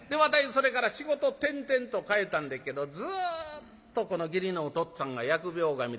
それから仕事転々と変えたんでっけどずっとこの義理のおとっつぁんが疫病神で給金取りに来よりまんねん。